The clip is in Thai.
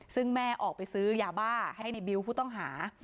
ซึ่งแม่ออกไปซื้อยาบ้าให้ในบิวต์ผู้ต้องหา